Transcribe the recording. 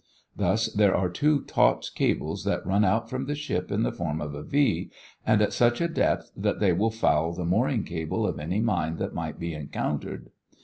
Thus there are two taut cables that run out from the ship in the form of a V and at such a depth that they will foul the mooring cable of any mine that might be encountered.